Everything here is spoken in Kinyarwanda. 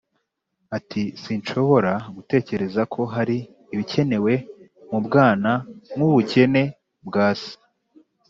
ati: “sinshobora gutekereza ko hari ibikenewe mu bwana nk’ubukene bwa se.